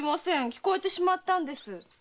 聞こえてしまったんです。